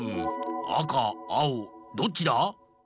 あかあおどっちだ？